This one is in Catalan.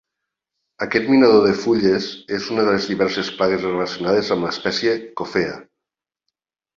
Aquest minador de fulles és una de les diverses plagues relacionades amb l'espècie "Coffea".